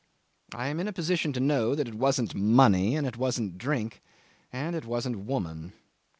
I am in a position to know that it wasn't money, and it wasn't drink, and it wasn't woman.